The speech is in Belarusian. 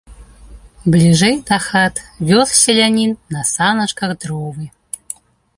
Бліжэй да хат вёз селянін на саначках дровы.